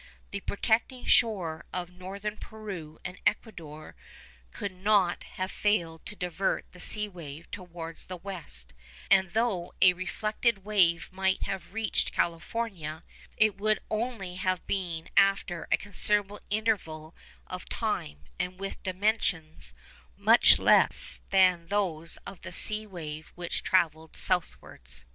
The projecting shores of northern Peru and Ecuador could not have failed to divert the sea wave towards the west; and though a reflected wave might have reached California, it would only have been after a considerable interval of time, and with dimensions much less than those of the sea wave which travelled southwards.